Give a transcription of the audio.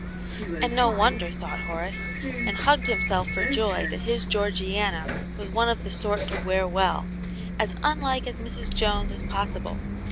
'*And no wonder," thought Horace, and hugged himself for joy that his Georgiana was one of the sort to wear well ; as unlike Mrs. Jones as possible.